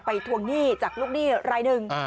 ทวงหนี้จากลูกหนี้รายหนึ่ง